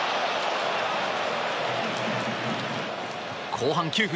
後半９分。